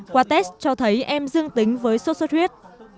qua test cho thấy em dương tính với sốt xuất huyết